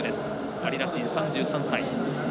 アリ・ラチン、３３歳。